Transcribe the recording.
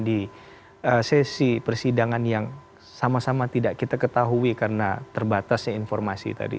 di sesi persidangan yang sama sama tidak kita ketahui karena terbatasnya informasi tadi